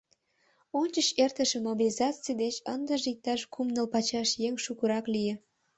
Ончыч эртыше мобилизаций деч ындыже иктаж кум-ныл пачаш еҥ шукырак лие.